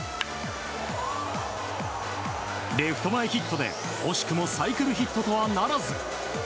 レフト前ヒットで、惜しくもサイクルヒットとはならず。